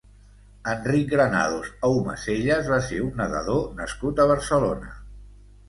Enric Granados Aumacellas va ser un nedador nascut a Barcelona.